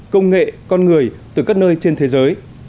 công nghệ con người từ các nơi trên thế giới